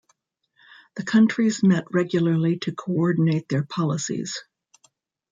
The countries met regularly to coordinate their policies.